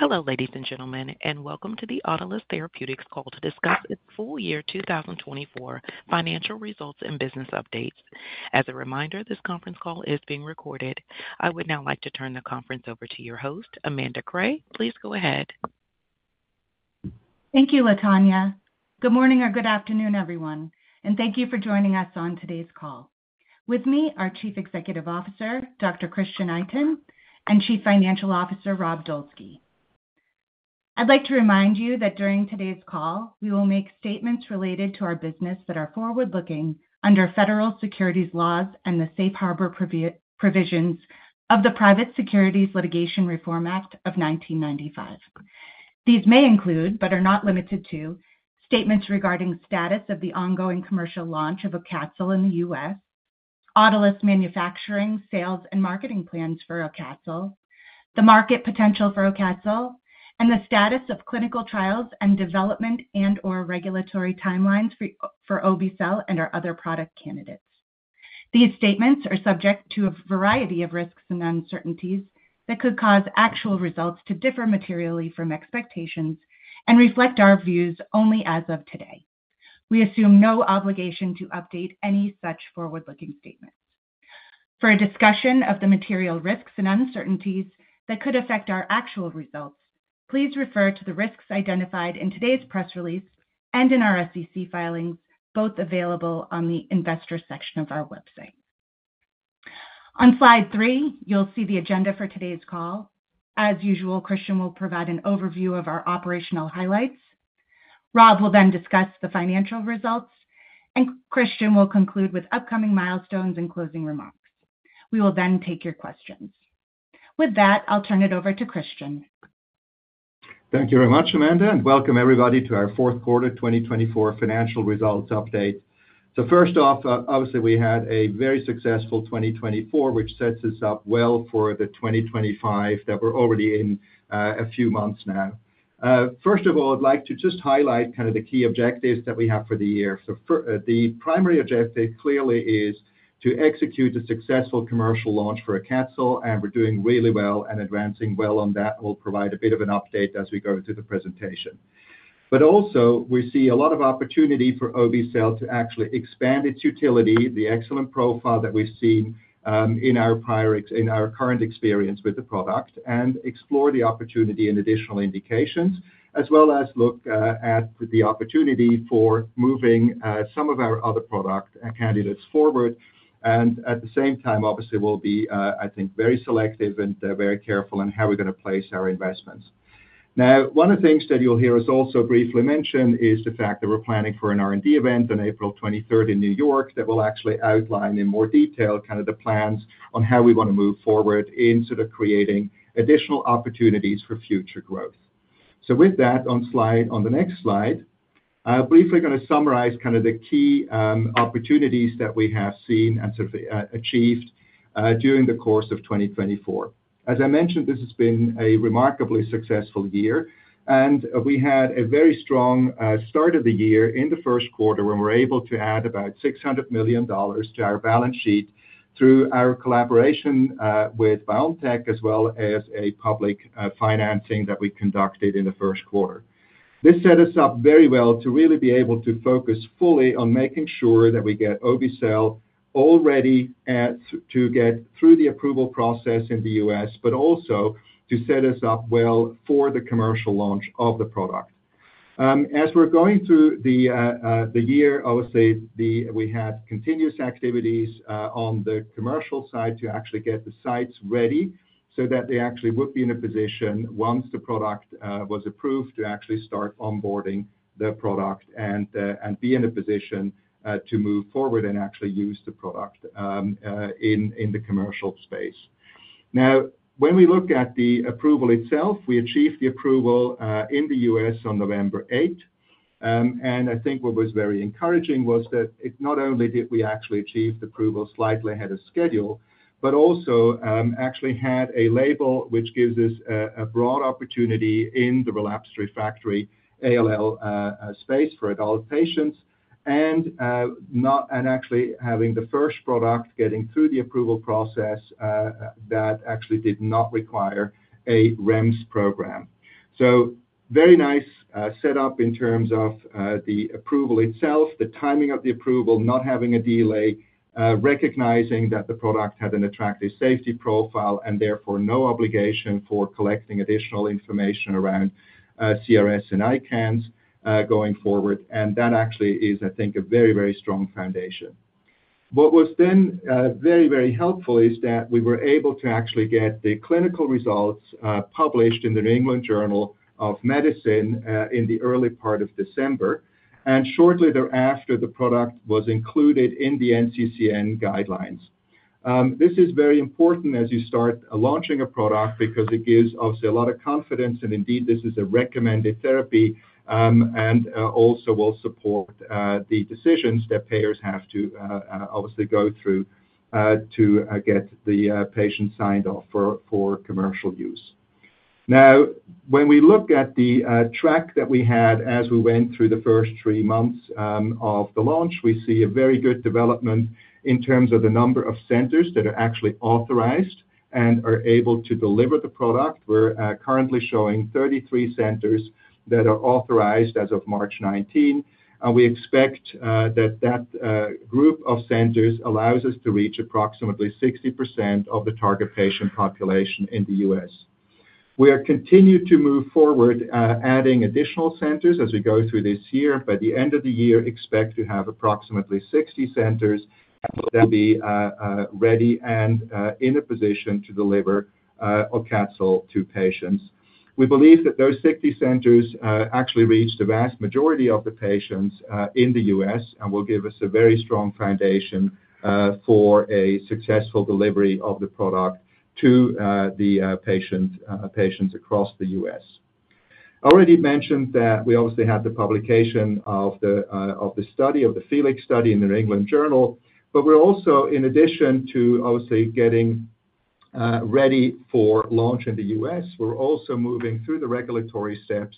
Hello, ladies and gentlemen, and Welcome to the Autolus Therapeutics Call to Discuss its Full Year 2024 Financial Results and Business Updates. As a reminder, this conference call is being recorded. I would now like to turn the conference over to your host, Amanda Cray. Please go ahead. Thank you, Tanya. Good morning or good afternoon, everyone, and thank you for joining us on today's call. With me are Chief Executive Officer, Dr. Christian Itin, and Chief Financial Officer, Rob Dolski. I'd like to remind you that during today's call, we will make statements related to our business that are forward-looking under federal securities laws and the safe harbor provisions of the Private Securities Litigation Reform Act of 1995. These may include, but are not limited to, statements regarding the status of the ongoing commercial launch of AUCATZYL in the U.S., Autolus manufacturing, sales, and marketing plans for AUCATZYL, the market potential for AUCATZYL, and the status of clinical trials and development and/or regulatory timelines for obe-cel and our other product candidates. These statements are subject to a variety of risks and uncertainties that could cause actual results to differ materially from expectations and reflect our views only as of today. We assume no obligation to update any such forward-looking statements. For a discussion of the material risks and uncertainties that could affect our actual results, please refer to the risks identified in today's press release and in our SEC filings, both available on the investor section of our website. On slide three, you'll see the agenda for today's call. As usual, Christian will provide an overview of our operational highlights. Rob will then discuss the financial results, and Christian will conclude with upcoming milestones and closing remarks. We will then take your questions. With that, I'll turn it over to Christian. Thank you very much, Amanda, and welcome everybody to our fourth quarter 2024 financial results update. First off, obviously, we had a very successful 2024, which sets us up well for the 2025 that we're already in a few months now. First of all, I'd like to just highlight kind of the key objectives that we have for the year. The primary objective clearly is to execute a successful commercial launch for AUCATZYL, and we're doing really well and advancing well on that. We'll provide a bit of an update as we go through the presentation. We also see a lot of opportunity for AUCATZYL to actually expand its utility, the excellent profile that we've seen in our current experience with the product, and explore the opportunity in additional indications, as well as look at the opportunity for moving some of our other product candidates forward. At the same time, obviously, we'll be, I think, very selective and very careful in how we're going to place our investments. One of the things that you'll hear us also briefly mention is the fact that we're planning for an R&D event on April 23rd, 2025 in New York that will actually outline in more detail kind of the plans on how we want to move forward in sort of creating additional opportunities for future growth. With that, on the next slide, I'm briefly going to summarize kind of the key opportunities that we have seen and sort of achieved during the course of 2024. As I mentioned, this has been a remarkably successful year, and we had a very strong start of the year in the first quarter when we were able to add about $600 million to our balance sheet through our collaboration with BioNTech, as well as public financing that we conducted in the first quarter. This set us up very well to really be able to focus fully on making sure that we get AUCATZYL all ready to get through the approval process in the U.S., but also to set us up well for the commercial launch of the product. As we're going through the year, I would say we had continuous activities on the commercial side to actually get the sites ready so that they actually would be in a position once the product was approved to actually start onboarding the product and be in a position to move forward and actually use the product in the commercial space. Now, when we look at the approval itself, we achieved the approval in the U.S. on November 8th, and I think what was very encouraging was that not only did we actually achieve the approval slightly ahead of schedule, but also actually had a label which gives us a broad opportunity in the relapse refractory ALL space for adult patients and actually having the first product getting through the approval process that actually did not require a REMS program. So, very nice setup in terms of the approval itself, the timing of the approval, not having a delay, recognizing that the product had an attractive safety profile and therefore no obligation for collecting additional information around CRS and ICANS going forward. That actually is, I think, a very, very strong foundation. What was then very, very helpful is that we were able to actually get the clinical results published in the New England Journal of Medicine in the early part of December, and shortly thereafter, the product was included in the NCCN guidelines. This is very important as you start launching a product because it gives obviously a lot of confidence, and indeed, this is a recommended therapy and also will support the decisions that payers have to obviously go through to get the patient signed off for commercial use. Now, when we look at the track that we had as we went through the first three months of the launch, we see a very good development in terms of the number of centers that are actually authorized and are able to deliver the product. We're currently showing 33 centers that are authorized as of March 19, and we expect that that group of centers allows us to reach approximately 60% of the target patient population in the U.S. We are continuing to move forward, adding additional centers as we go through this year. By the end of the year, we expect to have approximately 60 centers that will be ready and in a position to deliver AUCATZYL to patients. We believe that those 60 centers actually reach the vast majority of the patients in the U.S. and will give us a very strong foundation for a successful delivery of the product to the patients across the U.S. I already mentioned that we obviously had the publication of the study, of the FELIX study in the New England Journal, but we're also, in addition to obviously getting ready for launch in the U.S., we're also moving through the regulatory steps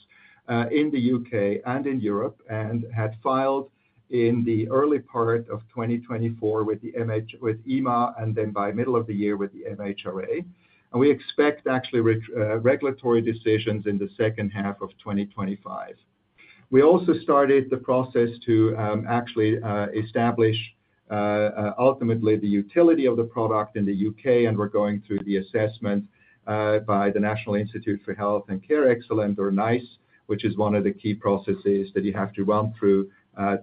in the U.K. and in Europe and had filed in the early part of 2024 with the MH with EMA and then by middle of the year with the MHRA. We expect actually regulatory decisions in the second half of 2025. We also started the process to actually establish ultimately the utility of the product in the U.K., and we're going through the assessment by the National Institute for Health and Care Excellence, or NICE, which is one of the key processes that you have to run through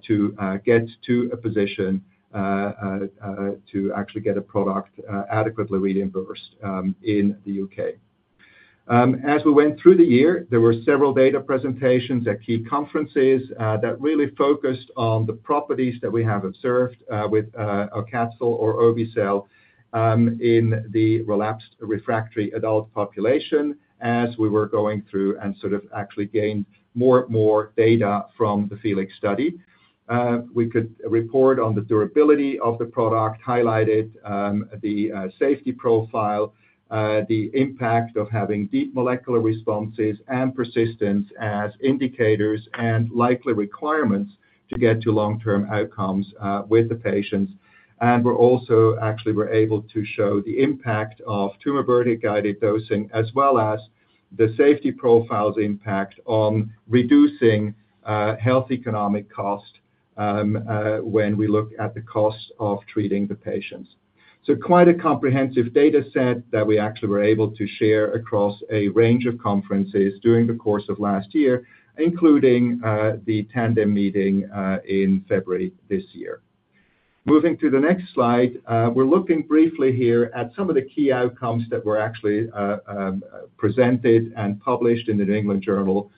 to get to a position to actually get a product adequately reimbursed in the U.K. As we went through the year, there were several data presentations at key conferences that really focused on the properties that we have observed with AUCATZYL or obe-cel in the relapsed refractory adult population as we were going through and sort of actually gained more and more data from the FELIX study. We could report on the durability of the product, highlighted the safety profile, the impact of having deep molecular responses and persistence as indicators and likely requirements to get to long-term outcomes with the patients. We're also actually able to show the impact of tumor burden-guided dosing as well as the safety profile's impact on reducing health economic cost when we look at the cost of treating the patients. Quite a comprehensive data set that we actually were able to share across a range of conferences during the course of last year, including the Tandem meeting in February this year. Moving to the next slide, we're looking briefly here at some of the key outcomes that were actually presented and published in the New England Journal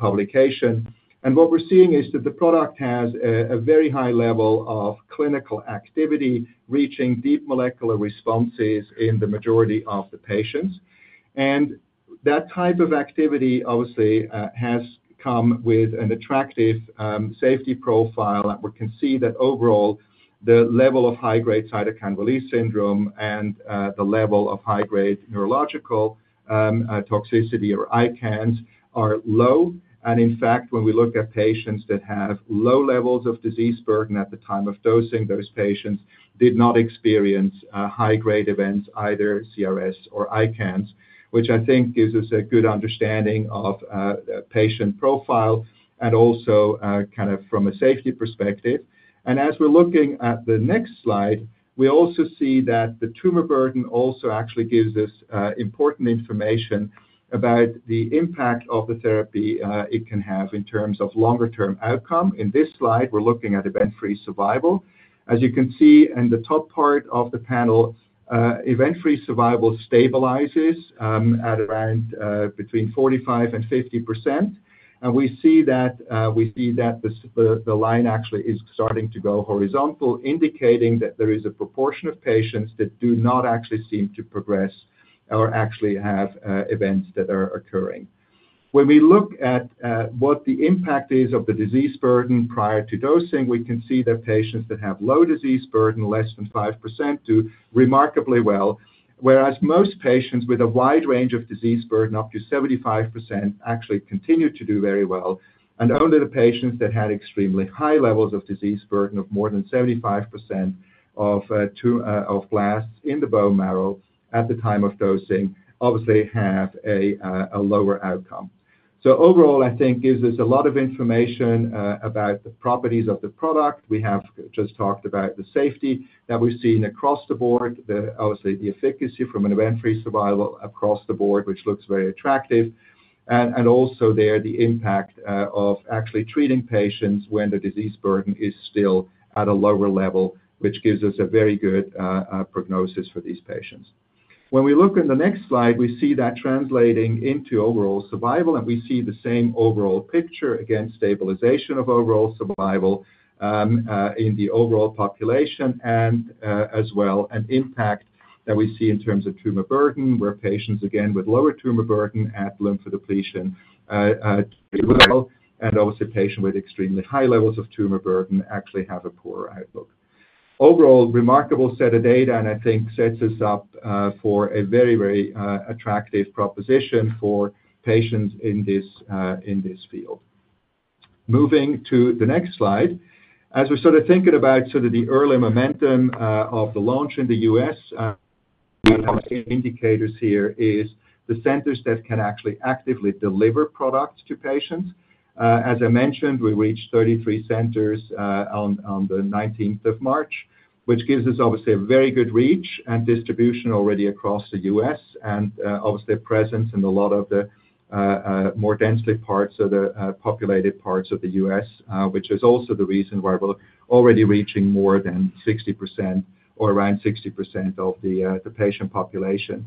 publication. What we're seeing is that the product has a very high level of clinical activity reaching deep molecular responses in the majority of the patients. That type of activity obviously has come with an attractive safety profile. We can see that overall the level of high-grade cytokine release syndrome and the level of high-grade neurological toxicity or ICANS are low. In fact, when we look at patients that have low levels of disease burden at the time of dosing, those patients did not experience high-grade events, either CRS or ICANS, which I think gives us a good understanding of patient profile and also kind of from a safety perspective. As we're looking at the next slide, we also see that the tumor burden also actually gives us important information about the impact the therapy can have in terms of longer-term outcome. In this slide, we're looking at event-free survival. As you can see in the top part of the panel, event-free survival stabilizes at around between 45% and 50%. We see that the line actually is starting to go horizontal, indicating that there is a proportion of patients that do not actually seem to progress or actually have events that are occurring. When we look at what the impact is of the disease burden prior to dosing, we can see that patients that have low disease burden, less than 5%, do remarkably well, whereas most patients with a wide range of disease burden, up to 75%, actually continue to do very well. Only the patients that had extremely high levels of disease burden of more than 75% of blasts in the bone marrow at the time of dosing obviously have a lower outcome. Overall, I think, gives us a lot of information about the properties of the product. We have just talked about the safety that we've seen across the board, obviously the efficacy from an event-free survival across the board, which looks very attractive, and also there the impact of actually treating patients when the disease burden is still at a lower level, which gives us a very good prognosis for these patients. When we look in the next slide, we see that translating into overall survival, and we see the same overall picture against stabilization of overall survival in the overall population and as well an impact that we see in terms of tumor burden where patients, again, with lower tumor burden at lymphodepletion do well, and obviously patients with extremely high levels of tumor burden actually have a poorer outlook. Overall, remarkable set of data, and I think sets us up for a very, very attractive proposition for patients in this field. Moving to the next slide, as we're sort of thinking about sort of the early momentum of the launch in the U.S., one of the indicators here is the centers that can actually actively deliver products to patients. As I mentioned, we reached 33 centers on the 19th of March, which gives us obviously a very good reach and distribution already across the U.S. and obviously a presence in a lot of the more densely populated parts of the U.S., which is also the reason why we're already reaching more than 60% or around 60% of the patient population.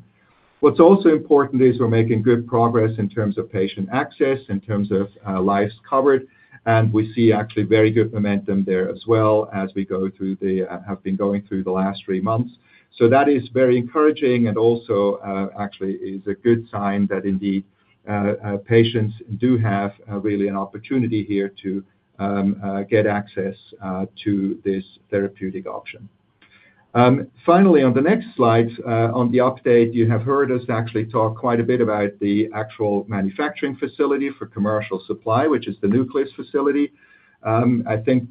What's also important is we're making good progress in terms of patient access, in terms of lives covered, and we see actually very good momentum there as well as we have been going through the last three months. So, that is very encouraging and also actually is a good sign that indeed patients do have really an opportunity here to get access to this therapeutic option. Finally, on the next slide, on the update, you have heard us actually talk quite a bit about the actual manufacturing facility for commercial supply, which is the Nucleus facility. I think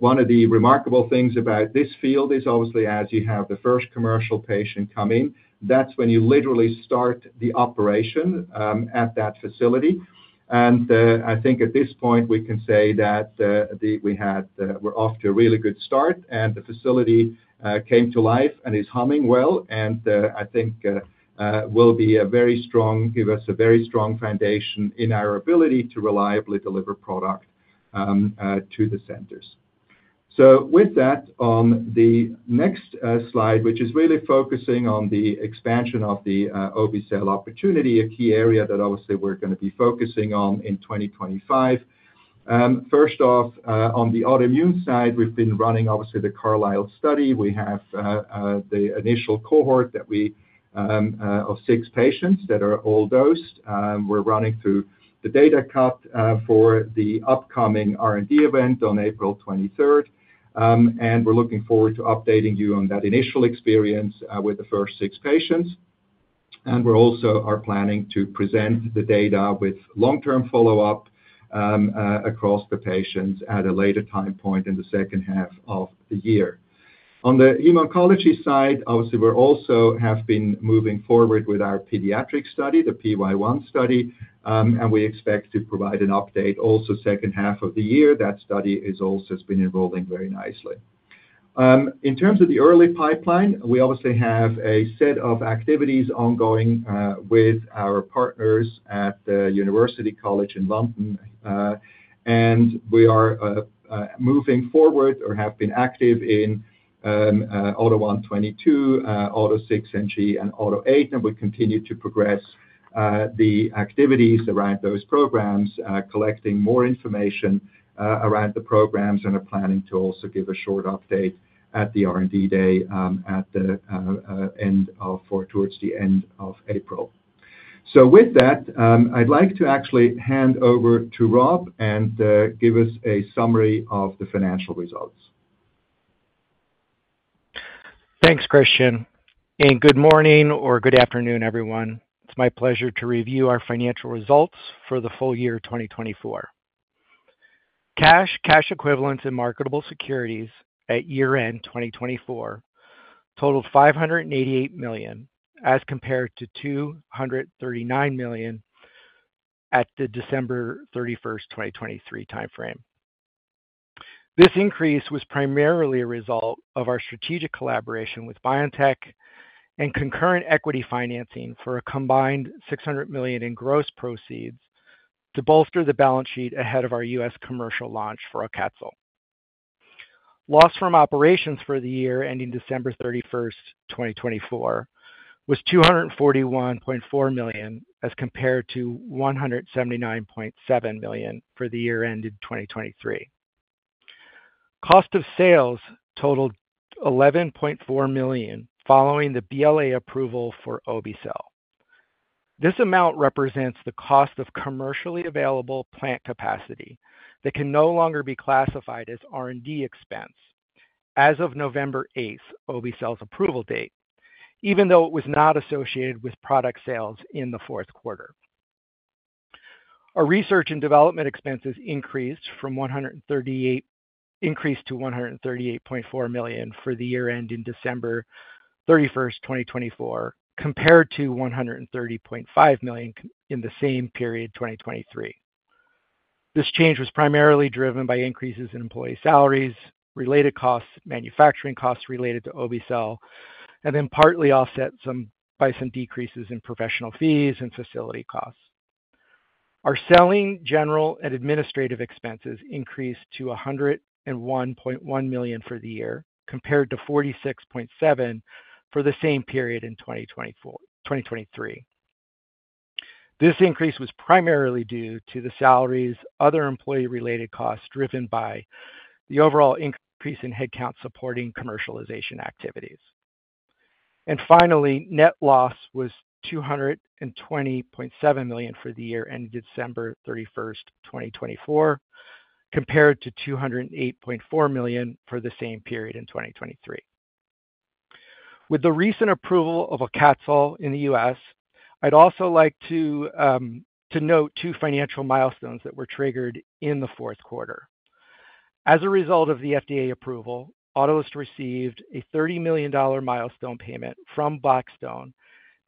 one of the remarkable things about this field is obviously as you have the first commercial patient come in, that's when you literally start the operation at that facility. I think at this point we can say that we're off to a really good start, and the facility came to life and is humming well, and I think will give us a very strong foundation in our ability to reliably deliver product to the centers. So, with that, on the next slide, which is really focusing on the expansion of the obe-cel opportunity, a key area that obviously we're going to be focusing on in 2025. First off, on the autoimmune side, we've been running obviously the CARLYSLE study. We have the initial cohort of six patients that are all dosed. We're running through the data cut for the upcoming R&D event on April 23rd, 2025, and we're looking forward to updating you on that initial experience with the first six patients. We're also planning to present the data with long-term follow-up across the patients at a later time point in the second half of the year. On the hematology side, obviously we also have been moving forward with our pediatric study, the PY1 study, and we expect to provide an update also second half of the year that study is also been enrolling very nicely. In terms of the early pipeline, we obviously have a set of activities ongoing with our partners at the University College in London, and we are moving forward or have been active in AUTO1/22, AUTO6NG, and AUTO8, and we continue to progress the activities around those programs, collecting more information around the programs, and are planning to also give a short update at the R&D day at the end of or towards the end of April. With that, I'd like to actually hand over to Rob and give us a summary of the financial results. Thanks, Christian. Good morning or good afternoon, everyone. It's my pleasure to review our financial results for the full year 2024. Cash, cash equivalents, and marketable securities at year-end 2024 totaled $588 million as compared to $239 million at the December 31st, 2023 timeframe. This increase was primarily a result of our strategic collaboration with BioNTech and concurrent equity financing for a combined $600 million in gross proceeds to bolster the balance sheet ahead of our U.S. commercial launch for AUCATZYL. Loss from operations for the year ending December 31st, 2024 was $241.4 million as compared to $179.7 million for the year ended 2023. Cost of sales totaled $11.4 million following the BLA approval for obe-cel. This amount represents the cost of commercially available plant capacity that can no longer be classified as R&D expense as of November 8th, obe-cel approval date, even though it was not associated with product sales in the fourth quarter. Our research and development expenses increased to $138.4 million for the year ended December 31st, 2024, compared to $130.5 million in the same period, 2023. This change was primarily driven by increases in employee salaries, related costs, manufacturing costs related to obe-cel, and then partly offset by some decreases in professional fees and facility costs. Our selling, general, and administrative expenses increased to $101.1 million for the year compared to $46.7 million for the same period in 2023. This increase was primarily due to the salaries, other employee-related costs driven by the overall increase in headcount supporting commercialization activities. Finally, net loss was $220.7 million for the year ended December 31st, 2024, compared to $208.4 million for the same period in 2023. With the recent approval of AUCATZYL in the U.S., I'd also like to note two financial milestones that were triggered in the fourth quarter. As a result of the FDA approval, Autolus Therapeutics received a $30 million milestone payment from Blackstone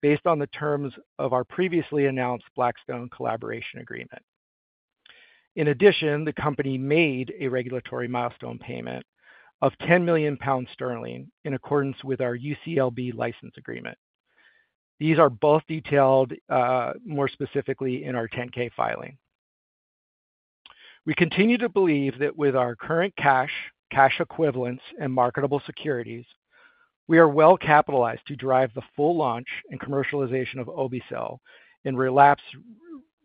based on the terms of our previously announced Blackstone collaboration agreement. In addition, the company made a regulatory milestone payment of 10 million pounds in accordance with our UCLB license agreement. These are both detailed more specifically in our 10-K filing. We continue to believe that with our current cash, cash equivalents, and marketable securities, we are well capitalized to drive the full launch and commercialization of obe-cel in relapsed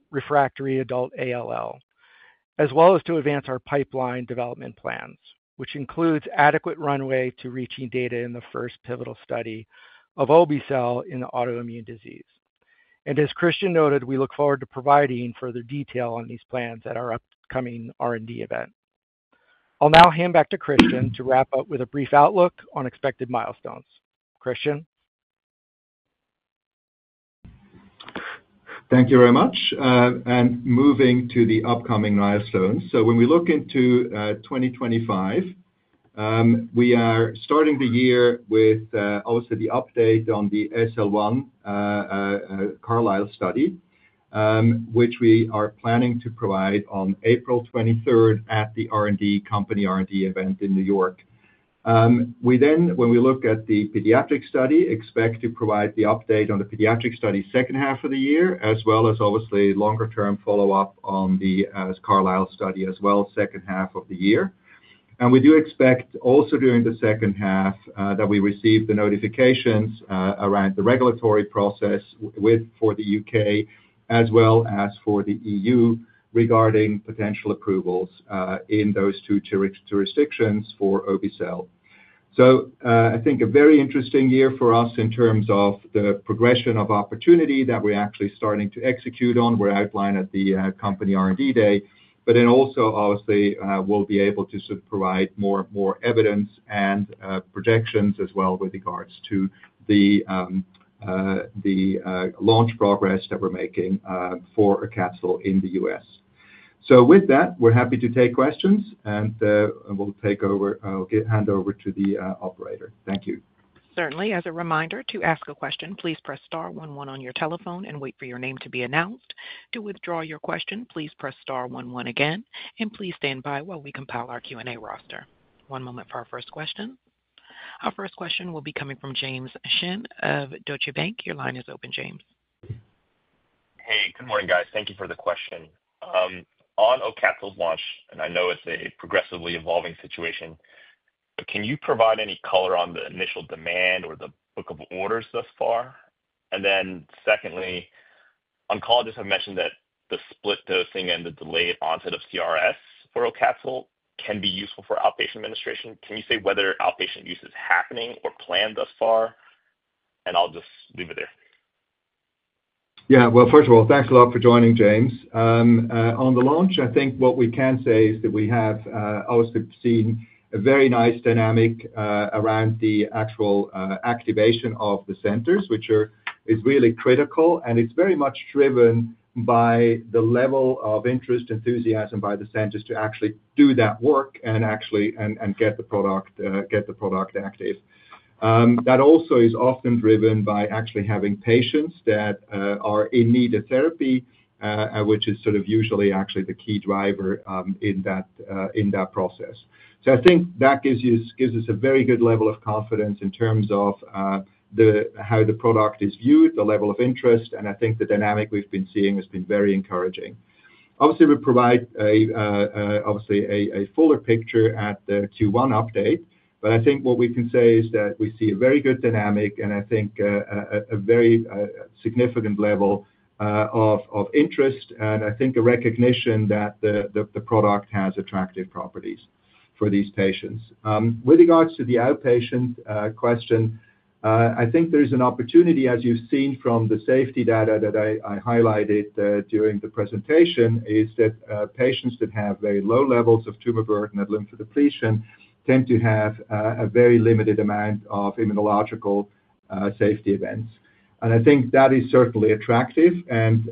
refractory adult ALL, as well as to advance our pipeline development plans, which includes adequate runway to reaching data in the first pivotal study of obe-cel in autoimmune disease. As Christian noted, we look forward to providing further detail on these plans at our upcoming R&D event. I'll now hand back to Christian to wrap up with a brief outlook on expected milestones. Christian. Thank you very much. Moving to the upcoming milestones. When we look into 2025, we are starting the year with obviously the update on the SL1 CARLYSLE study, which we are planning to provide on April 23rd at the R&D company R&D event in New York. When we look at the pediatric study, we expect to provide the update on the pediatric study second half of the year, as well as obviously longer-term follow-up on the CARLYSLE study as well, second half of the year. We do expect also during the second half that we receive the notifications around the regulatory process for the U.K. as well as for the EU regarding potential approvals in those two jurisdictions for Obe-cel. I think a very interesting year for us in terms of the progression of opportunity that we're actually starting to execute on. We outlined at the company R&D day, but then also obviously we'll be able to provide more evidence and projections as well with regards to the launch progress that we're making for AUCATZYL in the U.S. With that, we're happy to take questions, and we'll hand over to the operator. Thank you. Certainly, as a reminder to ask a question, please press star one one on your telephone and wait for your name to be announced. To withdraw your question, please press star one one again, and please stand by while we compile our Q&A roster. One moment for our first question. Our first question will be coming from James Shin of Deutsche Bank. Your line is open, James. Hey, good morning, guys. Thank you for the question. On AUCATZYL launch, and I know it's a progressively evolving situation, can you provide any color on the initial demand or the book of orders thus far? Secondly, oncologists have mentioned that the split dosing and the delayed onset of CRS for AUCATZYL can be useful for outpatient administration. Can you say whether outpatient use is happening or planned thus far? I'll just leave it there. Yeah, first of all, thanks a lot for joining, James. On the launch, I think what we can say is that we have obviously seen a very nice dynamic around the actual activation of the centers, which is really critical, and it's very much driven by the level of interest, enthusiasm by the centers to actually do that work and actually get the product active. That also is often driven by actually having patients that are in need of therapy, which is sort of usually actually the key driver in that process. I think that gives us a very good level of confidence in terms of how the product is viewed, the level of interest, and I think the dynamic we've been seeing has been very encouraging. Obviously, we provide obviously a fuller picture at the Q1 update, but I think what we can say is that we see a very good dynamic, and I think a very significant level of interest, and I think a recognition that the product has attractive properties for these patients. With regards to the outpatient question, I think there is an opportunity, as you've seen from the safety data that I highlighted during the presentation, is that patients that have very low levels of tumor burden at lymphodepletion tend to have a very limited amount of immunological safety events. I think that is certainly attractive and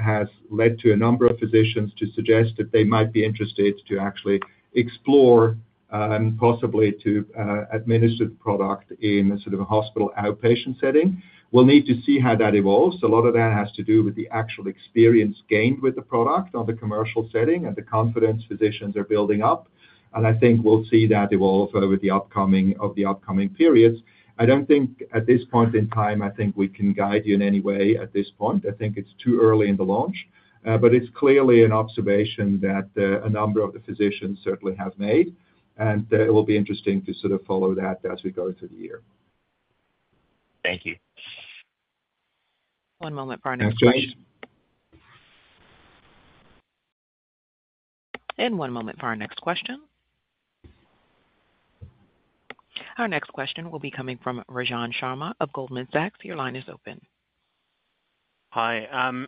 has led to a number of physicians to suggest that they might be interested to actually explore possibly to administer the product in a sort of hospital outpatient setting. We'll need to see how that evolves. A lot of that has to do with the actual experience gained with the product on the commercial setting and the confidence physicians are building up. I think we'll see that evolve over the upcoming periods. I don't think at this point in time, I think we can guide you in any way at this point. I think it's too early in the launch, but it's clearly an observation that a number of the physicians certainly have made, and it will be interesting to sort of follow that as we go through the year. Thank you. One moment for our next question One moment for our next question. Our next question will be coming from Rajan Sharma of Goldman Sachs. Your line is open. Hi.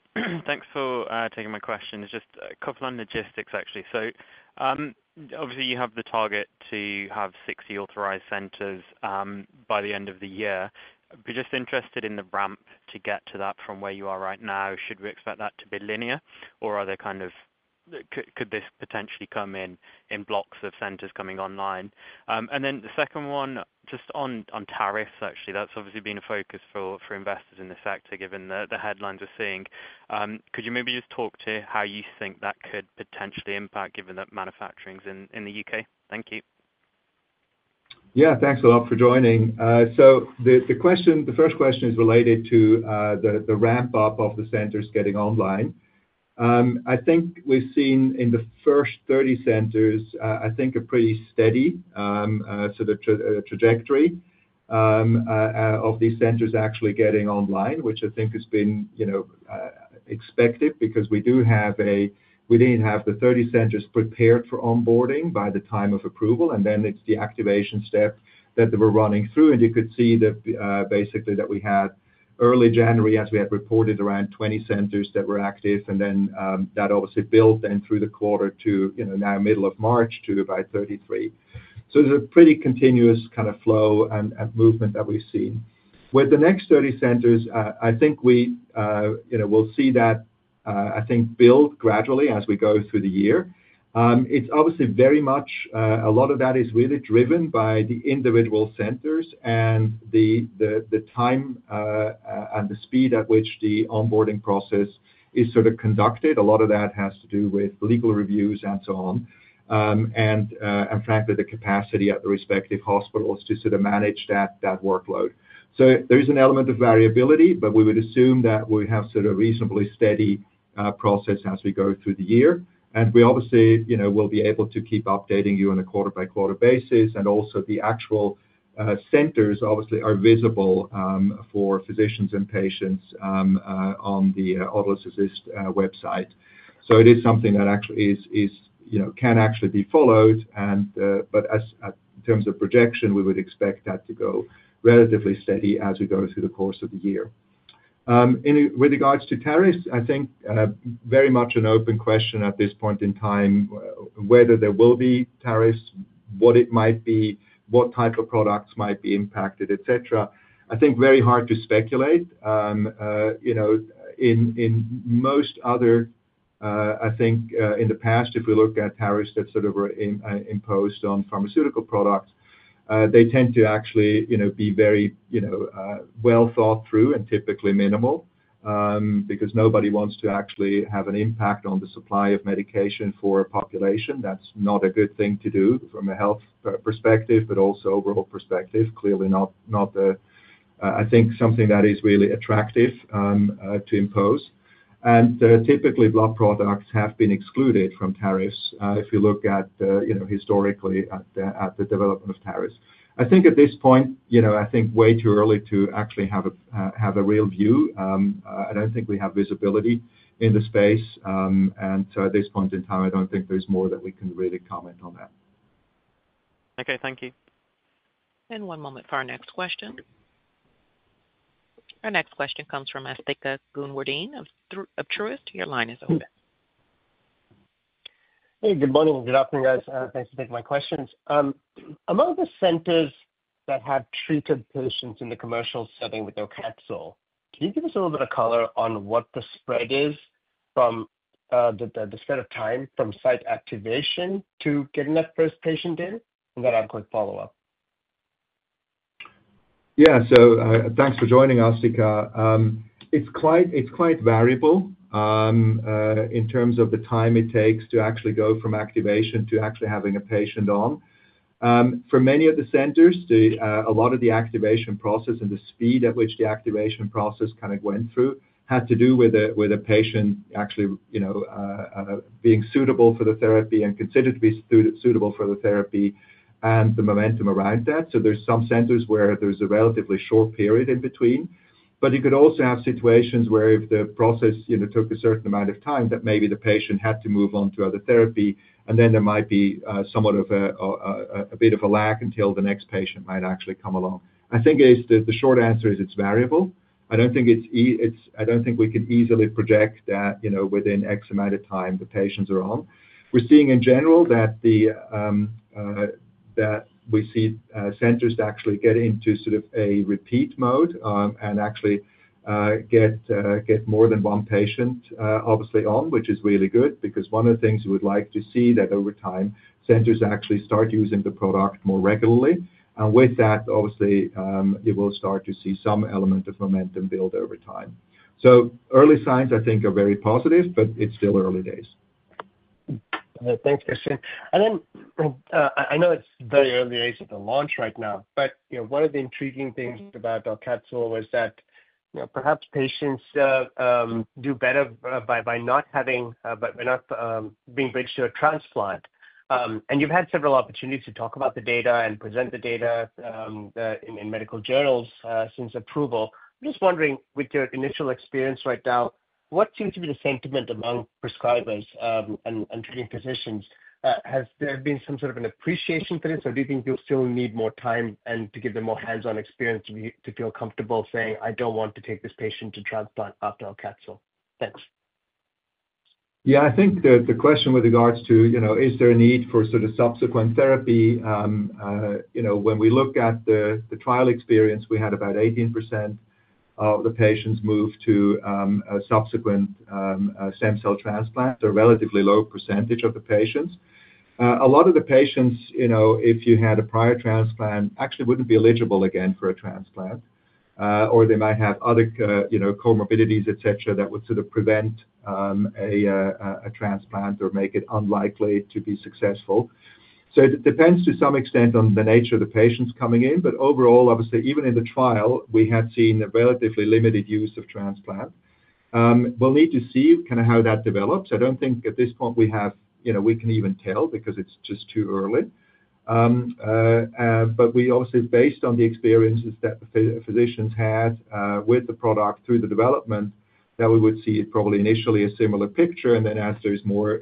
Thanks for taking my question. Just a couple of logistics, actually. Obviously you have the target to have 60 authorized centers by the end of the year. We're just interested in the ramp to get to that from where you are right now. Should we expect that to be linear, or could this potentially come in blocks of centers coming online? The second one, just on tariffs, actually, that's obviously been a focus for investors in the sector given the headlines we're seeing. Could you maybe just talk to how you think that could potentially impact given that manufacturing's in the U.K.? Thank you. Yeah, thanks a lot for joining. The first question is related to the ramp-up of the centers getting online. I think we've seen in the first 30 centers, I think a pretty steady sort of trajectory of these centers actually getting online, which I think has been expected because we didn't have the 30 centers prepared for onboarding by the time of approval, and then it's the activation step that we're running through. You could see that basically we had early January, as we had reported, around 20 centers that were active, and that obviously built then through the quarter to now middle of March to about 33. There's a pretty continuous kind of flow and movement that we've seen. With the next 30 centers, I think we'll see that, I think, build gradually as we go through the year. It's obviously very much a lot of that is really driven by the individual centers and the time and the speed at which the onboarding process is sort of conducted. A lot of that has to do with legal reviews and so on, and frankly, the capacity at the respective hospitals to sort of manage that workload. There is an element of variability, but we would assume that we have sort of a reasonably steady process as we go through the year. We obviously will be able to keep updating you on a quarter-by-quarter basis. Also, the actual centers obviously are visible for physicians and patients on the Autolus Therapeutics website. It is something that actually can actually be followed, but in terms of projection, we would expect that to go relatively steady as we go through the course of the year. With regards to tariffs, I think very much an open question at this point in time whether there will be tariffs, what it might be, what type of products might be impacted, etc. I think very hard to speculate. In most other, I think in the past, if we look at tariffs that sort of were imposed on pharmaceutical products, they tend to actually be very well thought through and typically minimal because nobody wants to actually have an impact on the supply of medication for a population. That's not a good thing to do from a health perspective, but also overall perspective, clearly not the, I think, something that is really attractive to impose. Typically, blood products have been excluded from tariffs if you look at historically at the development of tariffs. I think at this point, I think way too early to actually have a real view. I don't think we have visibility in the space. At this point in time, I don't think there's more that we can really comment on that. Okay, thank you. One moment for our next question. Our next question comes from Asthika Goonewardene of Truist. Your line is open. Hey, good morning and good afternoon, guys. Thanks for taking my questions. Among the centers that have treated patients in the commercial setting with AUCATZYL, can you give us a little bit of color on what the spread is from the spread of time from site activation to getting that first patient in and that ongoing follow-up? Yeah, thanks for joining, Asthika. It's quite variable in terms of the time it takes to actually go from activation to actually having a patient on. For many of the centers, a lot of the activation process and the speed at which the activation process kind of went through had to do with a patient actually being suitable for the therapy and considered to be suitable for the therapy and the momentum around that. There are some centers where there's a relatively short period in between, but you could also have situations where if the process took a certain amount of time, maybe the patient had to move on to other therapy, and then there might be somewhat of a bit of a lag until the next patient might actually come along. I think the short answer is it's variable. I don't think we can easily project that within X amount of time the patients are on. We're seeing in general that we see centers actually get into sort of a repeat mode and actually get more than one patient obviously on, which is really good because one of the things we would like to see is that over time, centers actually start using the product more regularly. With that, obviously, you will start to see some element of momentum build over time. Early signs, I think, are very positive, but it's still early days. Thanks, Christian. I know it's very early days of the launch right now, but one of the intriguing things about Aucatzyl was that perhaps patients do better by not being ready to transplant. You have had several opportunities to talk about the data and present the data in medical journals since approval. I'm just wondering, with your initial experience right now, what seems to be the sentiment among prescribers and treating physicians? Has there been some sort of an appreciation for this, or do you think you'll still need more time and to give them more hands-on experience to feel comfortable saying, "I don't want to take this patient to transplant after AUCATZYL"? Thanks. Yeah, I think the question with regards to is there a need for sort of subsequent therapy? When we look at the trial experience, we had about 18% of the patients move to subsequent stem cell transplants, a relatively low percentage of the patients. A lot of the patients, if you had a prior transplant, actually wouldn't be eligible again for a transplant, or they might have other comorbidities, etc., that would sort of prevent a transplant or make it unlikely to be successful. It depends to some extent on the nature of the patients coming in, but overall, obviously, even in the trial, we had seen a relatively limited use of transplant. We'll need to see kind of how that develops. I don't think at this point we can even tell because it's just too early. We obviously, based on the experiences that the physicians had with the product through the development, would see probably initially a similar picture. As there is more,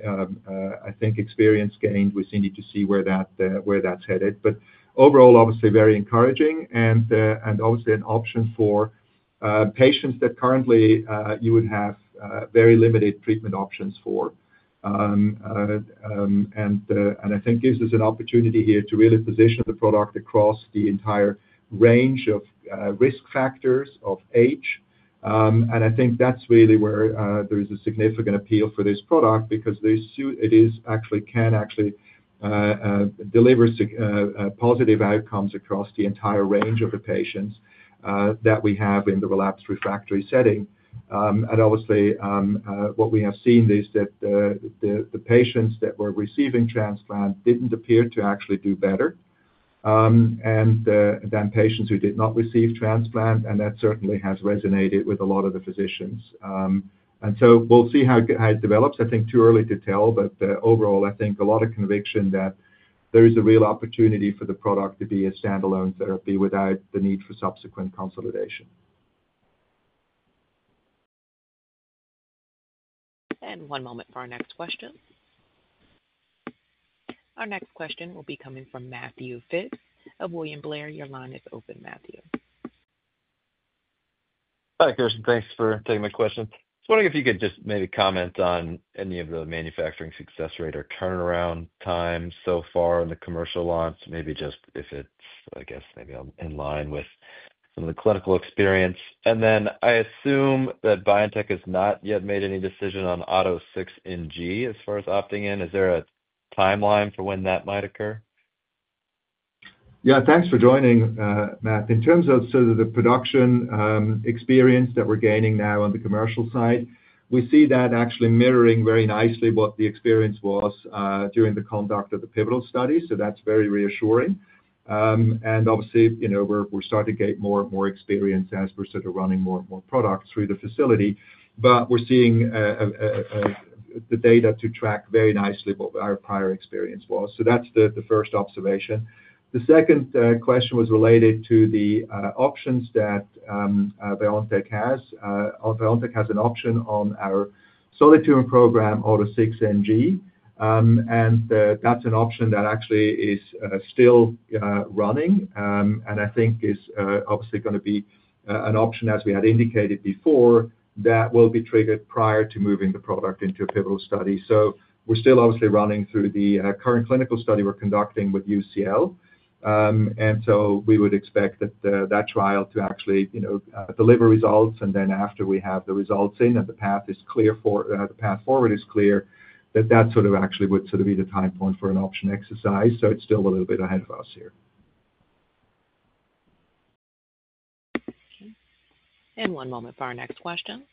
I think, experience gained, we need to see where that's headed. Overall, obviously, very encouraging and obviously an option for patients that currently would have very limited treatment options. I think it gives us an opportunity here to really position the product across the entire range of risk factors of age. I think that's really where there is a significant appeal for this product because it actually can actually deliver positive outcomes across the entire range of the patients that we have in the relapse refractory setting. Obviously, what we have seen is that the patients that were receiving transplant did not appear to actually do better than patients who did not receive transplant, and that certainly has resonated with a lot of the physicians. We will see how it develops. I think too early to tell, but overall, I think a lot of conviction that there is a real opportunity for the product to be a standalone therapy without the need for subsequent consolidation. One moment for our next question. Our next question will be coming from Matthew Phipps of William Blair. Your line is open, Matthew. Hi, Christian. Thanks for taking my question. I was wondering if you could just maybe comment on any of the manufacturing success rate or turnaround time so far in the commercial launch, maybe just if it's, I guess, maybe in line with some of the clinical experience. I assume that BioNTech has not yet made any decision on AUTO6NG as far as opting in. Is there a timeline for when that might occur? Yeah, thanks for joining, Matt. In terms of sort of the production experience that we're gaining now on the commercial side, we see that actually mirroring very nicely what the experience was during the conduct of the pivotal studies. That is very reassuring. Obviously, we're starting to get more and more experience as we're sort of running more and more products through the facility, but we're seeing the data to track very nicely what our prior experience was. That is the first observation. The second question was related to the options that BioNTech has. BioNTech has an option on our solid tumor program, AUTO6NG, and that is an option that actually is still running. I think it is obviously going to be an option, as we had indicated before, that will be triggered prior to moving the product into a pivotal study. We're still obviously running through the current clinical study we're conducting with UCL. We would expect that trial to actually deliver results. After we have the results in and the path is clear, the path forward is clear, that actually would be the time point for an option exercise. It's still a little bit ahead of us here. One moment for our next question.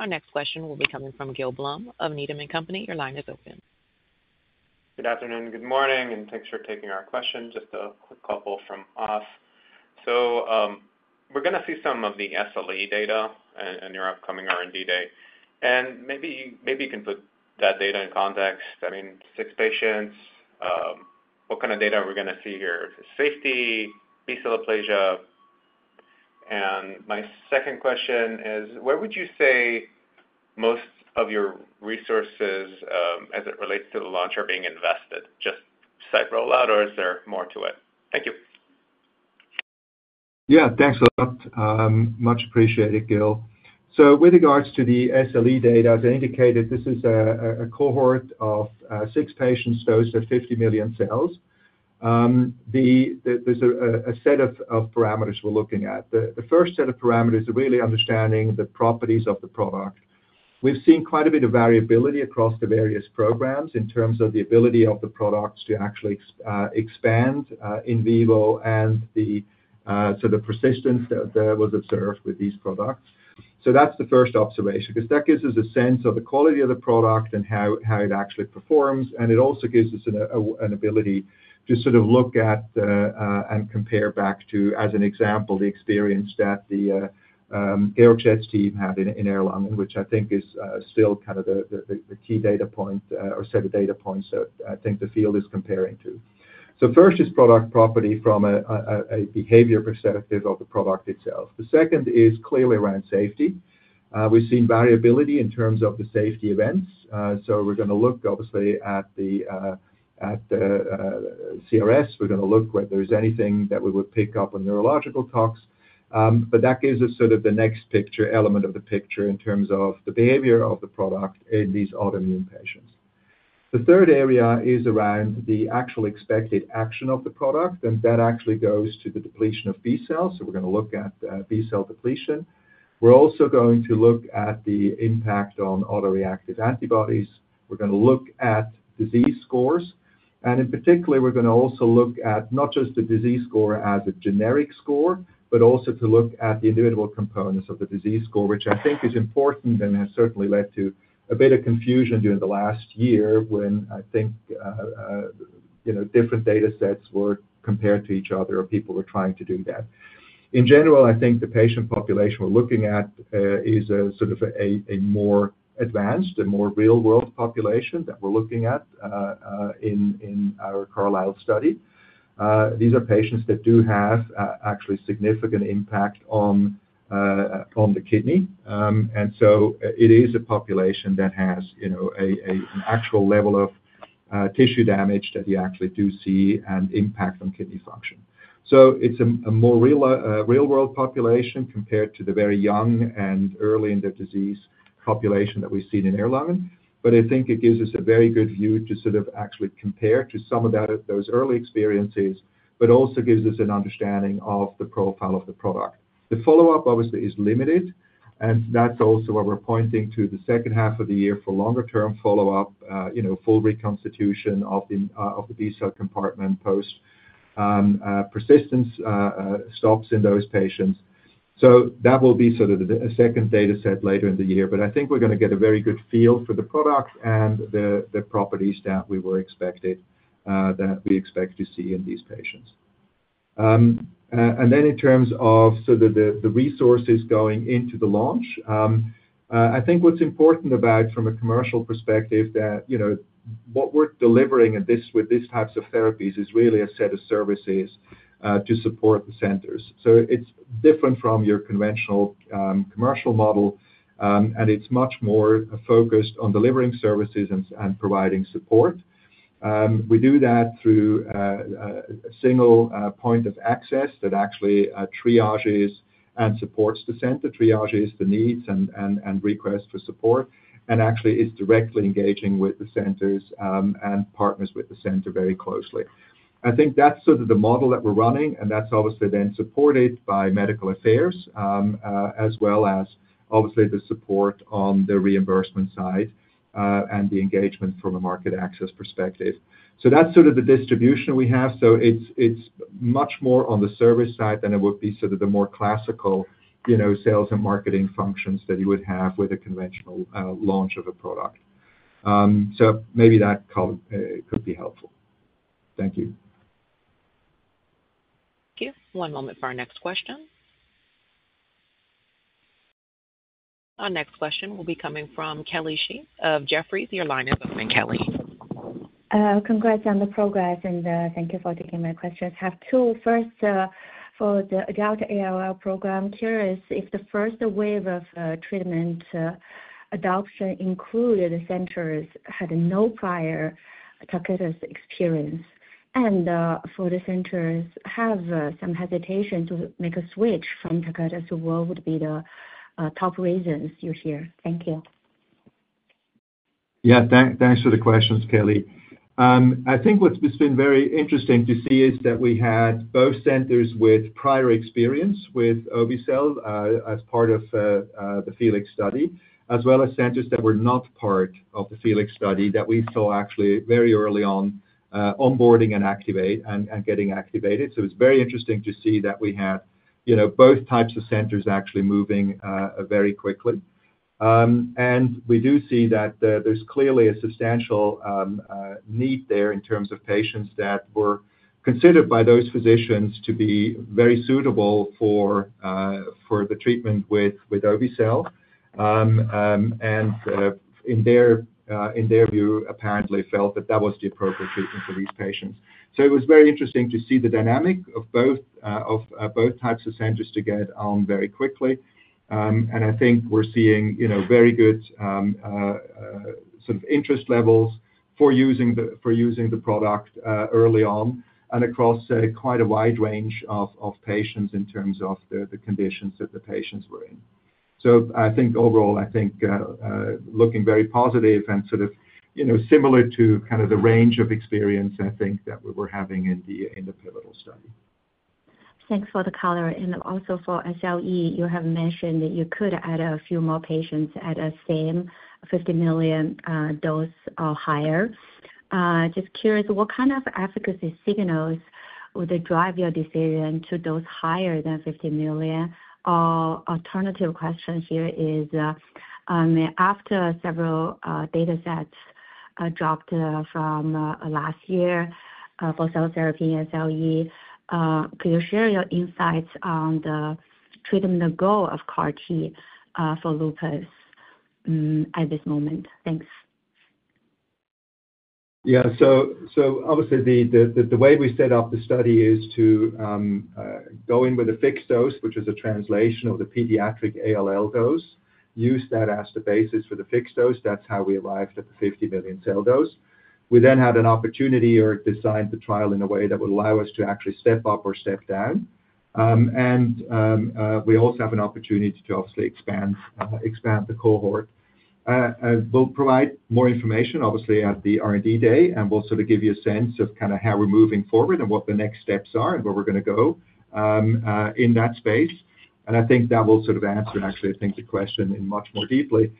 Our next question will be coming from Gil Blum of Needham & Company. Your line is open. Good afternoon and good morning, and thanks for taking our question. Just a quick couple from us. We're going to see some of the SLE data at your upcoming R&D day. Maybe you can put that data in context. I mean, six patients, what kind of data are we going to see here? Safety, B-cell aplasia. My second question is, where would you say most of your resources as it relates to the launch are being invested? Just site rollout, or is there more to it? Thank you. Yeah, thanks a lot. Much appreciated, Gil. With regards to the SLE data, as I indicated, this is a cohort of six patients, those at 50 million cells. There is a set of parameters we're looking at. The first set of parameters are really understanding the properties of the product. We've seen quite a bit of variability across the various programs in terms of the ability of the products to actually expand in vivo and the sort of persistence that was observed with these products. That is the first observation because that gives us a sense of the quality of the product and how it actually performs. It also gives us an ability to sort of look at and compare back to, as an example, the experience that the Georg Schett team had in Erlangen, which I think is still kind of the key data point or set of data points that I think the field is comparing to. First is product property from a behavior perspective of the product itself. The second is clearly around safety. We've seen variability in terms of the safety events. We're going to look obviously at the CRS. We're going to look whether there's anything that we would pick up on neurological tox. That gives us sort of the next element of the picture in terms of the behavior of the product in these autoimmune patients. The third area is around the actual expected action of the product, and that actually goes to the depletion of B-cells. We're going to look at B-cell depletion. We're also going to look at the impact on autoreactive antibodies. We're going to look at disease scores. In particular, we're going to also look at not just the disease score as a generic score, but also to look at the individual components of the disease score, which I think is important and has certainly led to a bit of confusion during the last year when I think different data sets were compared to each other or people were trying to do that. In general, I think the patient population we're looking at is sort of a more advanced and more real-world population that we're looking at in our CARLYSLE study. These are patients that do have actually significant impact on the kidney. It is a population that has an actual level of tissue damage that you actually do see and impact on kidney function. It is a more real-world population compared to the very young and early in the disease population that we've seen in Erlangen. But I think it gives us a very good view to sort of actually compare to some of those early experiences, but also gives us an understanding of the profile of the product. The follow-up obviously is limited, and that's also what we're pointing to the second half of the year for longer-term follow-up, full reconstitution of the B-cell compartment post-persistence stops in those patients. That will be sort of the second data set later in the year. But I think we're going to get a very good feel for the product and the properties that we expect to see in these patients. In terms of the resources going into the launch, I think what's important from a commercial perspective is that what we're delivering with these types of therapies is really a set of services to support the centers. It is different from your conventional commercial model, and it is much more focused on delivering services and providing support. We do that through a single point of access that actually triages and supports the center, triages the needs and requests for support, and actually is directly engaging with the centers and partners with the center very closely. I think that's sort of the model that we're running, and that's obviously then supported by medical affairs as well as obviously the support on the reimbursement side and the engagement from a market access perspective. That's sort of the distribution we have. It's much more on the service side than it would be sort of the more classical sales and marketing functions that you would have with a conventional launch of a product. Maybe that could be helpful. Thank you. Thank you. One moment for our next question. Our next question will be coming from Kelly Shi of Jefferies. Your line is open, Kelly. Congrats on the progress, and thank you for taking my questions. I have two. First, for the adult ALL program, curious if the first wave of treatment adoption included centers had no prior Tecartus experience, and for the centers have some hesitation to make a switch from Tecartus to what would be the top reasons you hear. Thank you. Yeah, thanks for the questions, Kelly. I think what's been very interesting to see is that we had both centers with prior experience with obe-cel as part of the FELIX study, as well as centers that were not part of the FELIX study that we saw actually very early on onboarding and getting activated. It is very interesting to see that we had both types of centers actually moving very quickly. We do see that there's clearly a substantial need there in terms of patients that were considered by those physicians to be very suitable for the treatment with obe-cel. In their view, apparently felt that that was the appropriate treatment for these patients. It was very interesting to see the dynamic of both types of centers to get on very quickly. And I think we're seeing very good sort of interest levels for using the product early on and across quite a wide range of patients in terms of the conditions that the patients were in. So, I think overall, I think looking very positive and sort of similar to kind of the range of experience I think that we were having in the pivotal study. Thanks for the color and also for SLE, you have mentioned that you could add a few more patients at the same 50 million dose or higher. Just curious, what kind of efficacy signals would drive your decision to dose higher than 50 million? Alternative question here is, after several data sets dropped from last year for cell therapy and SLE, could you share your insights on the treatment goal of CAR-T for lupus at this moment? Thanks. Yeah. Obviously, the way we set up the study is to go in with a fixed dose, which is a translation of the pediatric ALL dose, use that as the basis for the fixed dose. That is how we arrived at the 50 million cell dose. We then had an opportunity or designed the trial in a way that would allow us to actually step up or step down. We also have an opportunity to obviously expand the cohort. We will provide more information, obviously, at the R&D day, and we will sort of give you a sense of kind of how we are moving forward and what the next steps are and where we are going to go in that space. I think that will sort of answer actually, I think, the question much more deeply.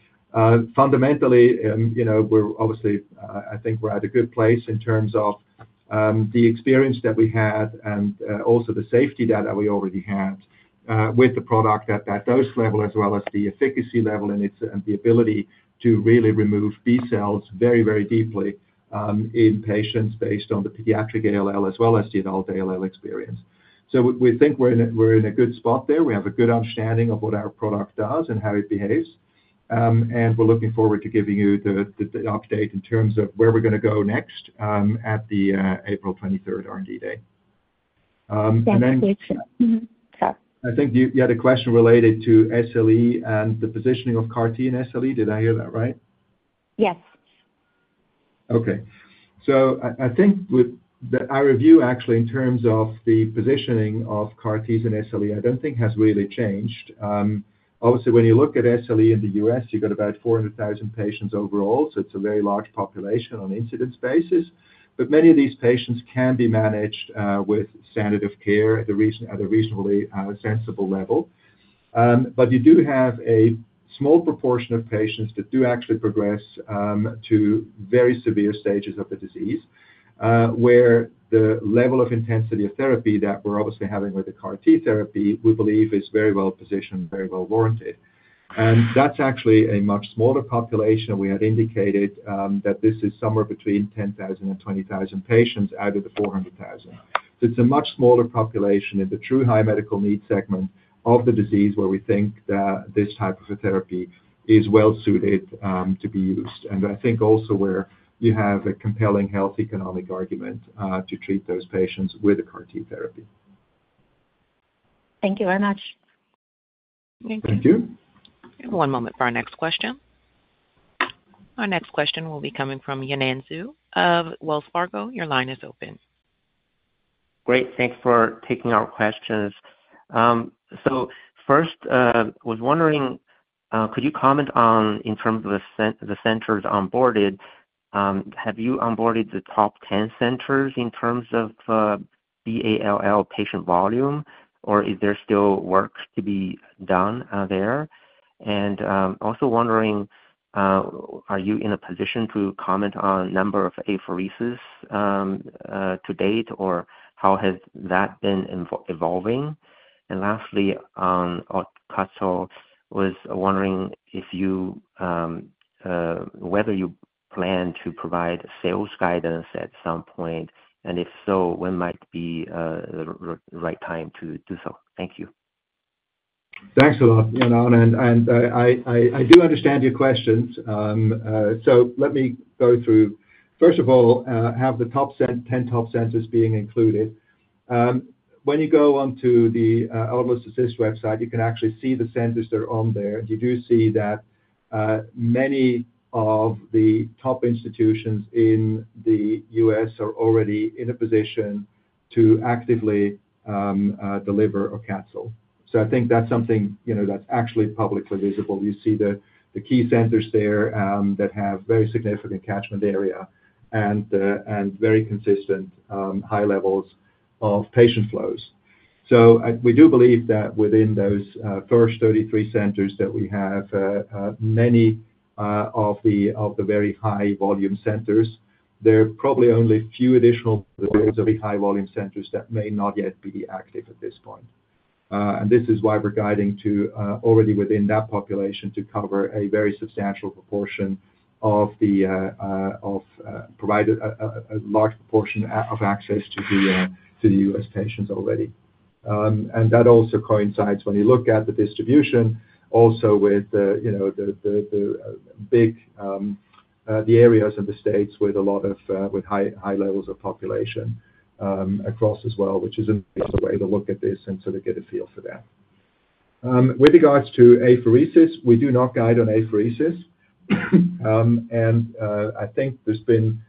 Fundamentally, we're obviously, I think we're at a good place in terms of the experience that we had and also the safety data we already had with the product at that dose level as well as the efficacy level and the ability to really remove B-cells very, very deeply in patients based on the pediatric ALL as well as the adult ALL experience. We think we're in a good spot there. We have a good understanding of what our product does and how it behaves. We're looking forward to giving you the update in terms of where we're going to go next at the April 23rd R&D day. I think you had a question related to SLE and the positioning of CAR-T in SLE. Did I hear that right? Yes. Okay. So, I think that our review actually in terms of the positioning of CAR-Ts in SLE, I don't think has really changed. Obviously, when you look at SLE in the U.S., you've got about 400,000 patients overall. It is a very large population on an incidence basis. Many of these patients can be managed with standard of care at a reasonably sensible level. You do have a small proportion of patients that do actually progress to very severe stages of the disease where the level of intensity of therapy that we're obviously having with the CAR-T therapy, we believe, is very well positioned and very well warranted. That is actually a much smaller population. We had indicated that this is somewhere between 10,000 and 20,000 patients out of the 400,000. It is a much smaller population in the true high medical need segment of the disease where we think that this type of a therapy is well suited to be used. I think also where you have a compelling health economic argument to treat those patients with a CAR-T therapy. Thank you very much. Thank you. One moment for our next question. Our next question will be coming from Yanan Zhu of Wells Fargo. Your line is open. Great. Thanks for taking our questions. First, I was wondering, could you comment on in terms of the centers onboarded, have you onboarded the top 10 centers in terms of the ALL patient volume, or is there still work to be done there? I am also wondering, are you in a position to comment on number of apheresis to date, or how has that been evolving? Lastly, I was wondering whether you plan to provide sales guidance at some point, and if so, when might be the right time to do so? Thank you. Thanks a lot, Yanan. I do understand your questions. Let me go through. First of all, have the top 10 top centers been included. When you go on to the Autolus Assist website, you can actually see the centers that are on there. You do see that many of the top institutions in the U.S. are already in a position to actively deliver AUCATZYL. So, I think that's something that's actually publicly visible. You see the key centers there that have very significant catchment area and very consistent high levels of patient flows. We do believe that within those first 33 centers that we have, many of the very high volume centers, there are probably only a few additional high volume centers that may not yet be active at this point. This is why we're guiding to already within that population to cover a very substantial proportion of a large proportion of access to the U.S. patients already. That also coincides when you look at the distribution also with the big areas in the states with a lot of high levels of population across as well, which is a way to look at this and sort of get a feel for that. With regards to apheresis, we do not guide on apheresis. I think there's been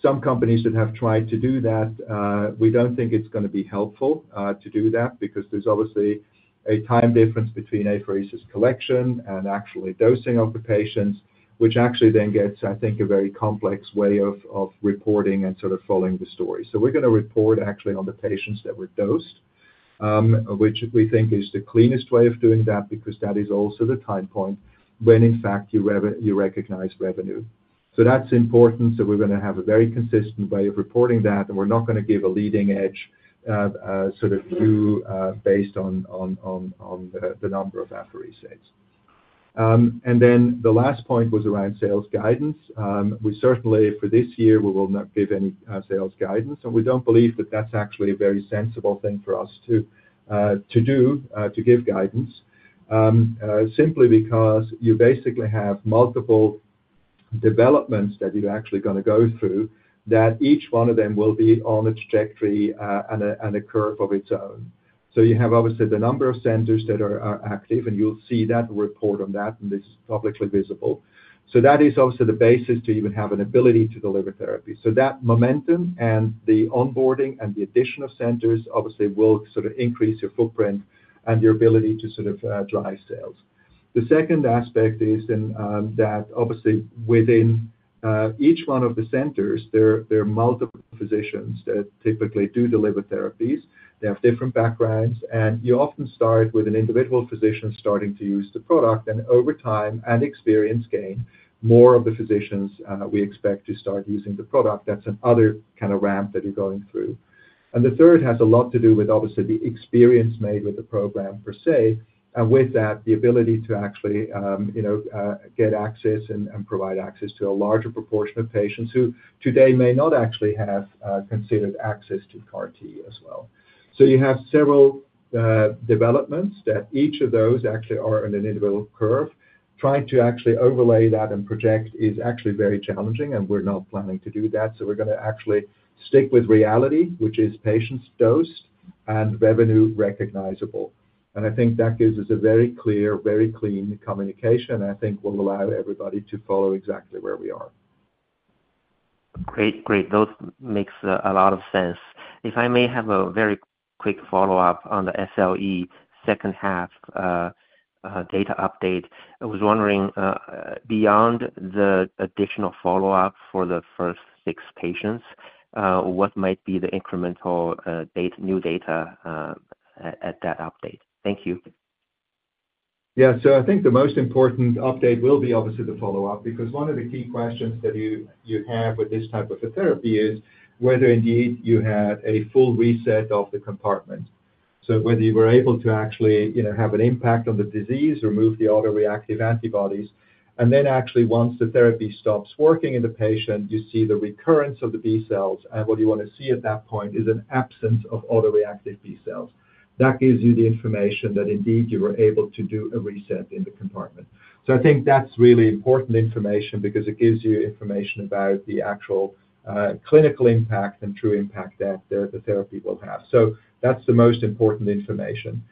some companies that have tried to do that. We don't think it's going to be helpful to do that because there's obviously a time difference between apheresis collection and actually dosing of the patients, which actually then gets, I think, a very complex way of reporting and sort of following the story. We're going to report actually on the patients that were dosed, which we think is the cleanest way of doing that because that is also the time point when, in fact, you recognize revenue. That is important. We're going to have a very consistent way of reporting that, and we're not going to give a leading edge sort of view based on the number of apheresis. The last point was around sales guidance. We certainly, for this year, will not give any sales guidance. We do not believe that is actually a very sensible thing for us to do, to give guidance, simply because you basically have multiple developments that you're actually going to go through that each one of them will be on a trajectory and a curve of its own. You have obviously the number of centers that are active, and you'll see that report on that, and this is publicly visible. That is obviously the basis to even have an ability to deliver therapy. That momentum and the onboarding and the addition of centers obviously will sort of increase your footprint and your ability to sort of drive sales. The second aspect is that obviously within each one of the centers, there are multiple physicians that typically do deliver therapies. They have different backgrounds, and you often start with an individual physician starting to use the product, and over time and experience gain, more of the physicians we expect to start using the product. That's another kind of ramp that you're going through. The third has a lot to do with obviously the experience made with the program per se, and with that, the ability to actually get access and provide access to a larger proportion of patients who today may not actually have considered access to CAR-T as well. You have several developments that each of those actually are on an individual curve. Trying to actually overlay that and project is actually very challenging, and we're not planning to do that. We're going to actually stick with reality, which is patients dosed and revenue recognizable. I think that gives us a very clear, very clean communication, and I think will allow everybody to follow exactly where we are. Great. Great. Those make a lot of sense. If I may have a very quick follow-up on the SLE second half data update, I was wondering, beyond the additional follow-up for the first six patients, what might be the incremental new data at that update? Thank you. Yeah. I think the most important update will be obviously the follow-up because one of the key questions that you have with this type of a therapy is whether indeed you had a full reset of the compartment. Whether you were able to actually have an impact on the disease or move the autoreactive antibodies. Actually, once the therapy stops working in the patient, you see the recurrence of the B-cells, and what you want to see at that point is an absence of autoreactive B-cells. That gives you the information that indeed you were able to do a reset in the compartment. I think that's really important information because it gives you information about the actual clinical impact and true impact that the therapy will have. That's the most important information.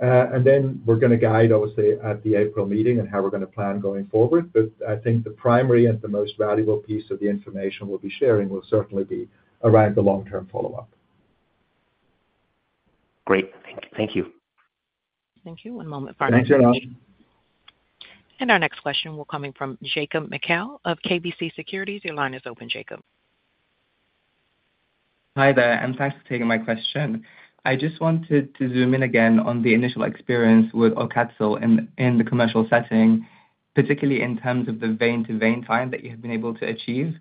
And then, we're going to guide obviously at the April meeting and how we're going to plan going forward. I think the primary and the most valuable piece of the information we'll be sharing will certainly be around the long-term follow-up. Great. Thank you. Thank you. One moment Thanks, Yanan. Our next question will be coming from Jacob Mekhael of KBC Securities. Your line is open, Jacob. Hi there, and thanks for taking my question. I just wanted to zoom in again on the initial experience with AUCATZYL in the commercial setting, particularly in terms of the vein-to-vein time that you have been able to achieve.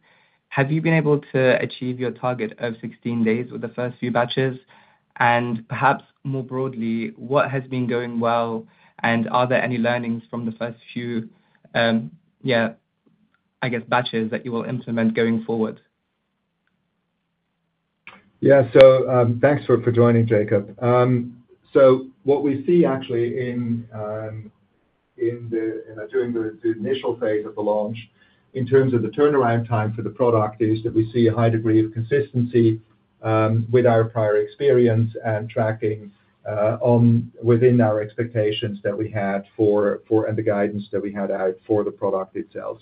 Have you been able to achieve your target of 16 days with the first few batches? Perhaps more broadly, what has been going well, and are there any learnings from the first few, yeah, I guess, batches that you will implement going forward? Yeah. Thanks for joining, Jacob. What we see actually in doing the initial phase of the launch in terms of the turnaround time for the product is that we see a high degree of consistency with our prior experience and tracking within our expectations that we had for and the guidance that we had out for the product itself.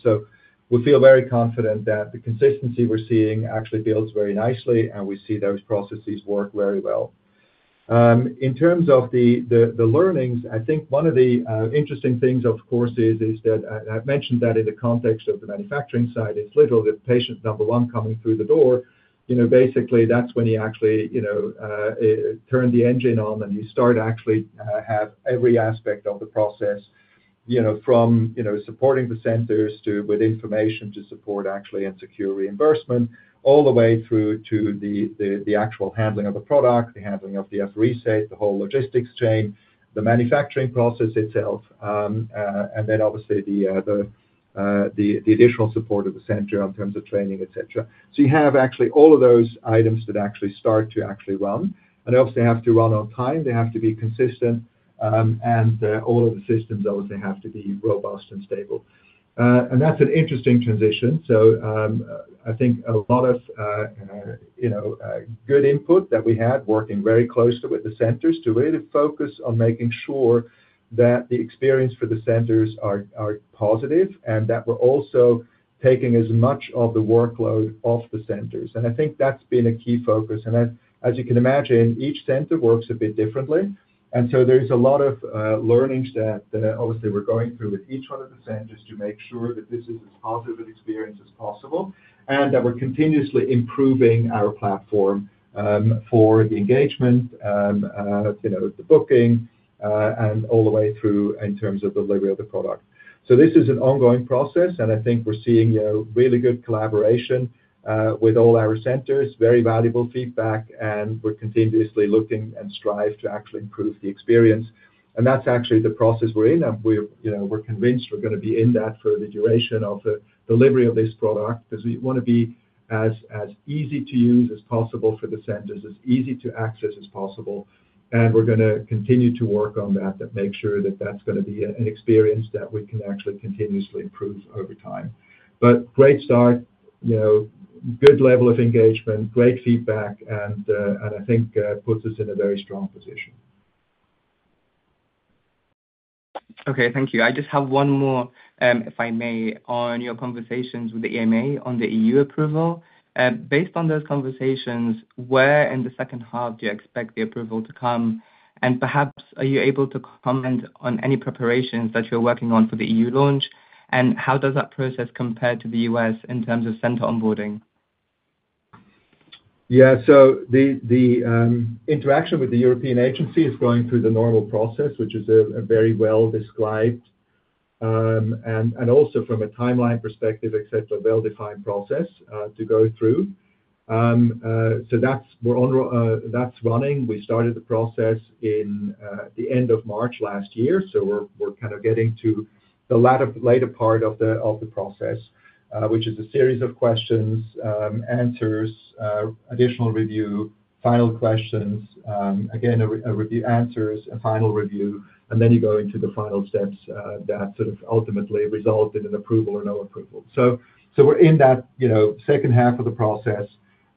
We feel very confident that the consistency we're seeing actually builds very nicely, and we see those processes work very well. In terms of the learnings, I think one of the interesting things, of course, is that I've mentioned that in the context of the manufacturing side, it's literally the patient number one coming through the door. Basically, that's when you actually turn the engine on, and you start actually to have every aspect of the process from supporting the centers with information to support actually and secure reimbursement, all the way through to the actual handling of the product, the handling of the apheresis, the whole logistics chain, the manufacturing process itself, and obviously the additional support of the center in terms of training, etc. You have actually all of those items that actually start to actually run. They obviously have to run on time. They have to be consistent, and all of the systems obviously have to be robust and stable. That's an interesting transition. I think a lot of good input that we had working very closely with the centers to really focus on making sure that the experience for the centers is positive and that we're also taking as much of the workload off the centers. I think that's been a key focus. As you can imagine, each center works a bit differently. There is a lot of learnings that obviously we're going through with each one of the centers to make sure that this is as positive an experience as possible and that we're continuously improving our platform for the engagement, the booking, and all the way through in terms of the delivery of the product. This is an ongoing process, and I think we're seeing really good collaboration with all our centers, very valuable feedback, and we're continuously looking and striving to actually improve the experience. That's actually the process we're in. We're convinced we're going to be in that for the duration of the delivery of this product because we want to be as easy to use as possible for the centers, as easy to access as possible. We're going to continue to work on that to make sure that that's going to be an experience that we can actually continuously improve over time. Great start, good level of engagement, great feedback, and I think puts us in a very strong position. Okay. Thank you. I just have one more, if I may, on your conversations with the EMA on the EU approval. Based on those conversations, where in the second half do you expect the approval to come? Perhaps, are you able to comment on any preparations that you're working on for the EU launch? How does that process compare to the U.S. in terms of center onboarding? Yeah. The interaction with the European agency is going through the normal process, which is a very well-described and also from a timeline perspective, well-defined process to go through. That is running. We started the process at the end of March last year. We are kind of getting to the later part of the process, which is a series of questions, answers, additional review, final questions, again, answers, and final review. You go into the final steps that ultimately result in an approval or no approval. We are in that second half of the process,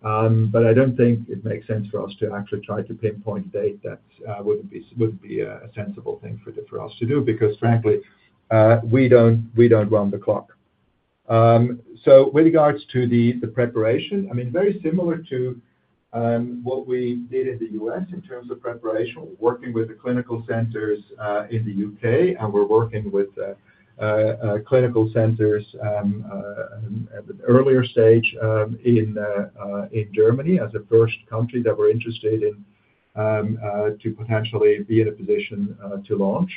but I do not think it makes sense for us to actually try to pinpoint a date. That would not be a sensible thing for us to do because, frankly, we do not run the clock. So, with regards to the preparation, I mean, very similar to what we did in the U.S. in terms of preparation, working with the clinical centers in the U.K., and we're working with clinical centers at an earlier stage in Germany as a first country that we're interested in to potentially be in a position to launch.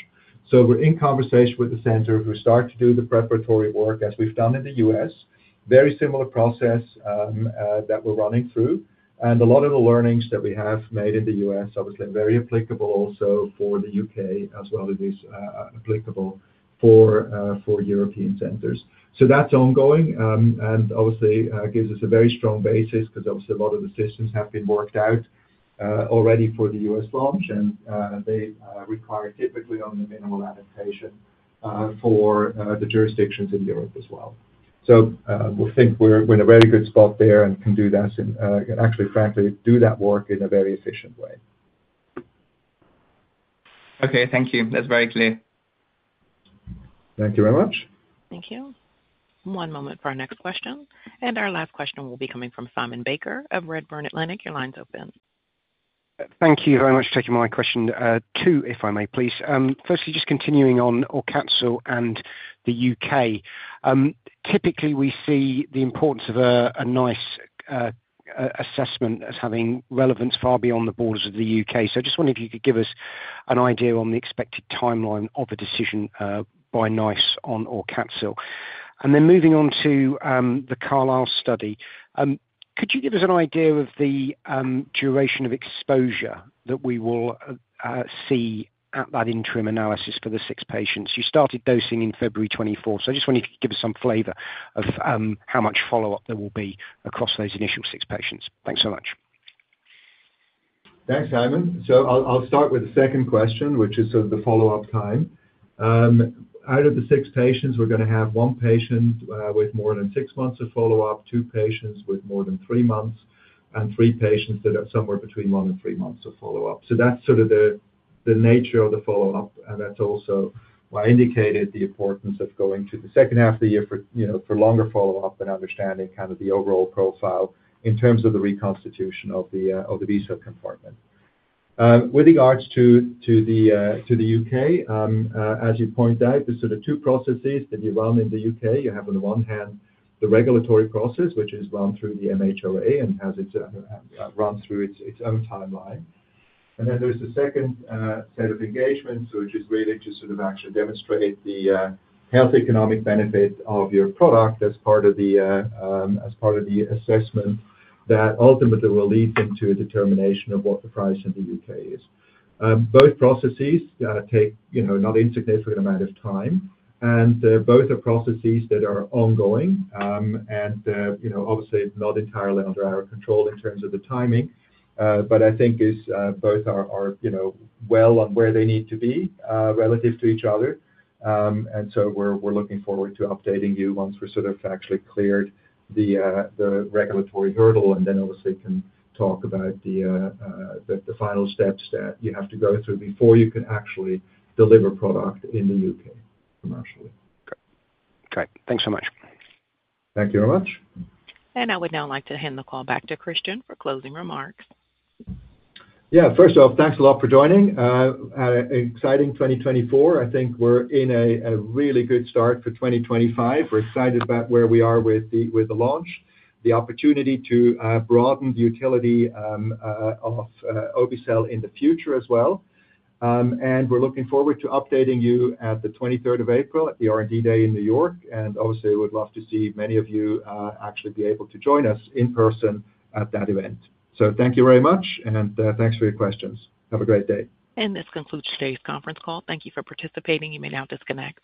We're in conversation with the center who start to do the preparatory work as we've done in the U.S. Very similar process that we're running through. A lot of the learnings that we have made in the U.S., obviously very applicable also for the U.K. as well as applicable for European centers. That's ongoing and obviously gives us a very strong basis because obviously a lot of the systems have been worked out already for the U.S. launch, and they require typically only minimal adaptation for the jurisdictions in Europe as well. We think we're in a very good spot there and can do that and actually, frankly, do that work in a very efficient way. Okay. Thank you. That's very clear. Thank you very much. Thank you. One moment for our next question. Our last question will be coming from Simon Baker of Redburn Atlantic. Your line's open. Thank you very much for taking my question too, if I may, please. Firstly, just continuing on AUCATZYL and the U.K. Typically, we see the importance of a NICE assessment as having relevance far beyond the borders of the U.K. I just wondered if you could give us an idea on the expected timeline of a decision by NICE on AUCATZYL. Moving on to the CARLYSLE study, could you give us an idea of the duration of exposure that we will see at that interim analysis for the six patients? You started dosing in February 2024. I just wanted to give us some flavor of how much follow-up there will be across those initial six patients. Thanks so much. Thanks, Simon. I'll start with the second question, which is sort of the follow-up time. Out of the six patients, we're going to have one patient with more than six months of follow-up, two patients with more than three months, and three patients that are somewhere between one and three months of follow-up. That's sort of the nature of the follow-up, and that's also why I indicated the importance of going to the second half of the year for longer follow-up and understanding kind of the overall profile in terms of the reconstitution of the B-cell compartment. With regards to the U.K., as you point out, there's sort of two processes that you run in the U.K. You have, on the one hand, the regulatory process, which is run through the MHRA and has its run through its own timeline. There is the second set of engagements, which is really to sort of actually demonstrate the health economic benefit of your product as part of the assessment that ultimately will lead into a determination of what the price in the U.K. is. Both processes take not an insignificant amount of time, and both are processes that are ongoing and obviously not entirely under our control in terms of the timing. I think both are well on where they need to be relative to each other. We are looking forward to updating you once we are sort of actually cleared the regulatory hurdle and then obviously can talk about the final steps that you have to go through before you can actually deliver product in the U.K. commercially. Great. Thanks so much. Thank you very much. I would now like to hand the call back to Christian for closing remarks. Yeah. First off, thanks a lot for joining. Exciting 2024. I think we're in a really good start for 2025. We're excited about where we are with the launch, the opportunity to broaden the utility of obe-cel in the future as well. We are looking forward to updating you at the 23rd of April at the R&D Day in New York. Obviously, we'd love to see many of you actually be able to join us in person at that event. Thank you very much, and thanks for your questions. Have a great day. This concludes today's conference call. Thank you for participating. You may now disconnect.